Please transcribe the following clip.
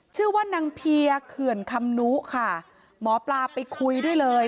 ชื่อว่านางเพียเขื่อนคำนุค่ะหมอปลาไปคุยด้วยเลย